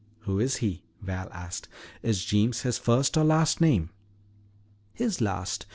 "Who is he?" Val asked. "Is Jeems his first or last name?" "His last.